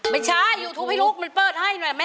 ไม่ใช่ยูทูปให้ลูกมันเปิดให้หน่อยแม่